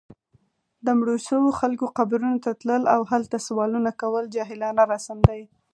د مړو شوو خلکو قبرونو ته تلل، او هلته سوالونه کول جاهلانه رسم دی